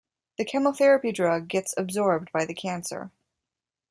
The chemotherapy drug gets absorbed by the cancer.